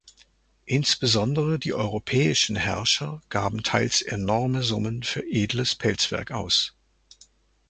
Insbesondere die europäischen Herrscher gaben teils enorme Summen für edles Pelzwerk aus.